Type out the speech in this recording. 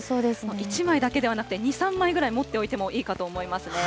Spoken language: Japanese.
１枚だけではなくて、２、３枚ぐらい持っておいてもいいかと思いますね。